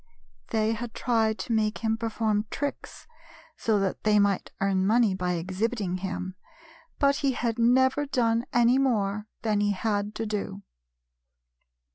They had tried to make him per 69 GYPSY, THE TALKING DOG form tricks, so tliat they might earn money by exhibiting him, but he had never done any more than he had to do.